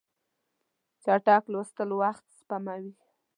چټک لوستل وخت سپموي.